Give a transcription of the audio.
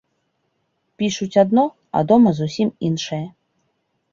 Пішуць адно, а дома зусім іншае.